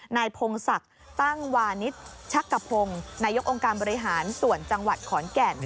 นายพงศักดิ์ตั้งวานิสชักกระพงศ์นายกองค์การบริหารส่วนจังหวัดขอนแก่น